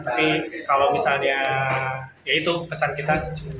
tapi kalau misalnya ya itu pesan kita